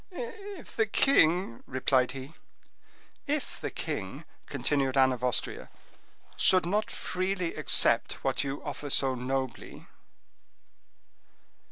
"If the king—" replied he. "If the king," continued Anne of Austria, "should not freely accept what you offer so nobly."